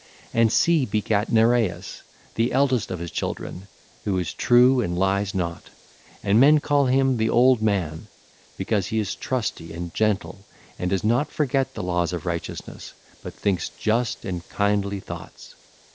(ll. 233 239) And Sea begat Nereus, the eldest of his children, who is true and lies not: and men call him the Old Man because he is trusty and gentle and does not forget the laws of righteousness, but thinks just and kindly thoughts.